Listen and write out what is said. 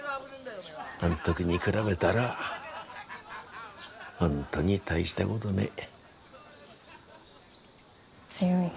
あん時に比べたら本当に大したことねえ。強いね。